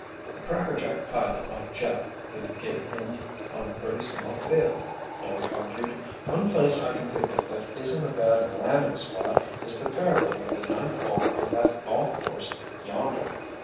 "A crackerjack pilot like Jeff could get in on a pretty small field," Larry argued. "One place I can think of that isn't a bad landing spot is the fairway of the ninth hole on that golf course yonder."